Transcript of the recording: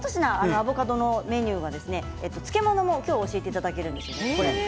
アボカドのメニューは漬物も教えていただけるんですよね。